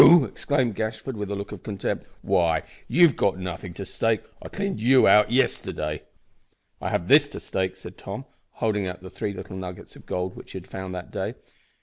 exclaimed Gashford, with a look of contempt; "why, you've got nothing to stake. I cleaned you out yesterday." "I have this to stake," said Tom, holding out the three little nuggets of gold which he had found that day.